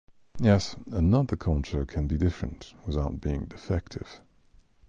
Yes, another culture can be different without being defective.